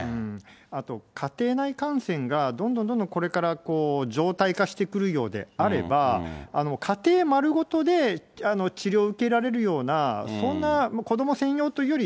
あと、家庭内感染がどんどんどんどんこれからこう、常態化してくるようであれば、家庭丸ごとで治療を受けられるような、そんな、子ども専用というより、